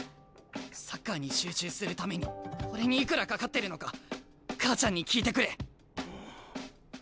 サッカーに集中するために俺にいくらかかってるのか母ちゃんに聞いてくれ。